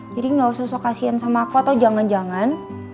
jadi gak usah sok sok kasihan sama aku atau jangan jangan